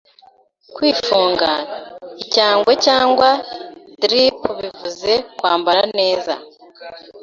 kwifunga, icyangwe cyangwa Drip bivuze kwambara neza,